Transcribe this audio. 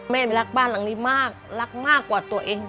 แม่รักบ้านหลังนี้มากรักมากกว่าตัวเอง